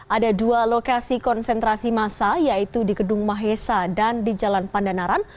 ada dua lokasi konsentrasi masa yaitu di gedung mahesa dan di jalan pandanaran